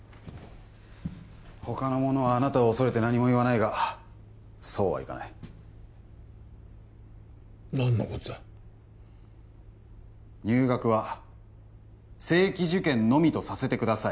他の者はあなたを恐れて何も言わないがそうはいかない何のことだ入学は正規受験のみとさせてください